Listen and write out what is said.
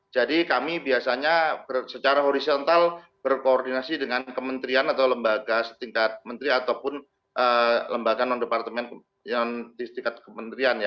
jadi kami biasanya secara horizontal berkoordinasi dengan kementerian atau lembaga setingkat menteri ataupun lembaga non departemen yang setingkat kementerian